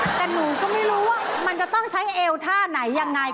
แต่หนูก็ไม่รู้ว่ามันจะต้องใช้เอวท่าไหนยังไง